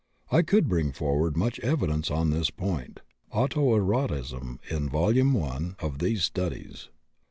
I could bring forward much evidence on this point. (Cf. "Auto erotism" in vol. i of these Studies.)